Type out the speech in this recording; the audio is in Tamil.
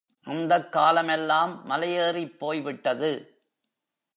அந்தக் காலமெல்லாம் மலையேறிப்போய் விட்டது.